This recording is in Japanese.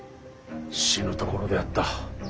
死ぬところであった。